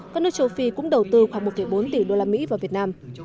các nước châu phi cũng đầu tư khoảng một bốn tỷ usd vào việt nam